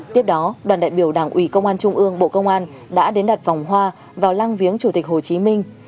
tiếp đó đoàn đại biểu đảng ủy công an trung ương bộ công an đã đến đặt vòng hoa vào lăng viếng chủ tịch hồ chí minh